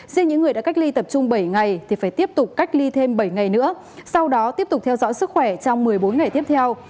riêng những người đã cách ly tập trung bảy ngày thì phải tiếp tục cách ly thêm bảy ngày nữa sau đó tiếp tục theo dõi sức khỏe trong một mươi bốn ngày tiếp theo